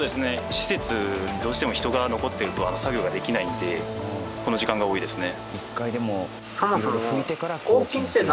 施設にどうしても人が残っていると作業ができないのでこの時間が多いですね。